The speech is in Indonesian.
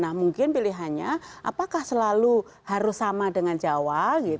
nah mungkin pilihannya apakah selalu harus sama dengan jawa